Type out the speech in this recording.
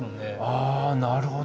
あなるほど。